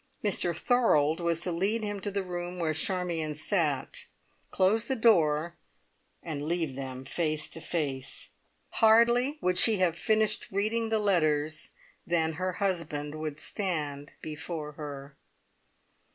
Mr Thorold was to lead him to the room where Charmion sat, close the door, and leave them face to face. Hardly would she have finished reading the letters than her husband would stand before her.